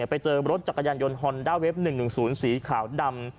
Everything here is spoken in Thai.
ไปเจอรถจักรยานยนต์ฮอนด้าเว็บ๑๑๐สีขาวดำ